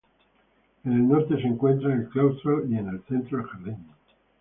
En el norte se encuentran el claustro y en el centro el jardín.